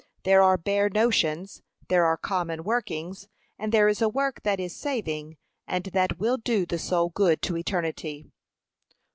There are bare notions, there are common workings, and there is a work that is saving, and that will do the soul good to eternity.